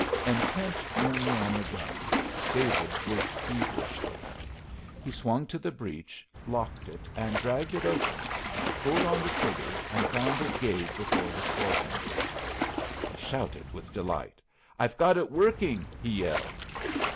Intent only on the gun, David worked feverishly. He swung to the breech, locked it, and dragged it open, pulled on the trigger and found it gave before his forefinger. He shouted with delight. "I've got it working," he yelled.